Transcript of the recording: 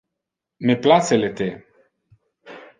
Me place le the.